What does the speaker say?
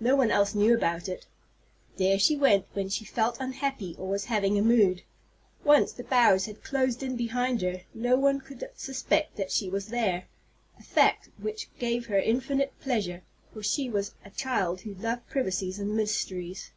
No one else knew about it. There she went when she felt unhappy or was having a mood. Once the boughs had closed in behind her, no one could suspect that she was there, a fact which gave her infinite pleasure, for she was a child who loved privacies and mysteries.